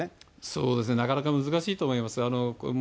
そうですね、なかなか難しいと思います。